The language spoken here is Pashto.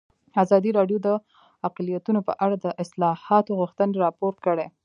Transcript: ازادي راډیو د اقلیتونه په اړه د اصلاحاتو غوښتنې راپور کړې.